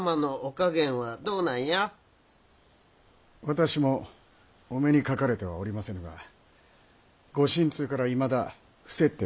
私もお目にかかれてはおりませぬがご心痛からいまだ伏せっておいでと。